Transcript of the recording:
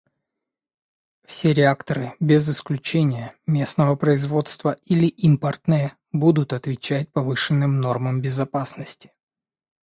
Все реакторы без исключения — местного производства или импортные — будут отвечать повышенным нормам безопасности.